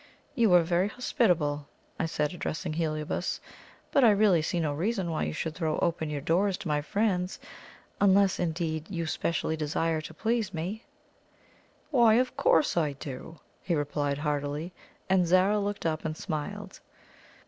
"You are very hospitable," I said, addressing Heliobas; "but I really see no reason why you should throw open your doors to my friends, unless, indeed, you specially desire to please me." "Why, of course I do!" he replied heartily; and Zara looked up and smiled.